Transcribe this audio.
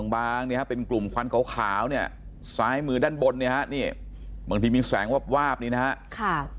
บางเนี่ยฮะเป็นกลุ่มควันขาวเนี่ยซ้ายมือด้านบนเนี่ยฮะนี่บางทีมีแสงวาบนี่นะครับ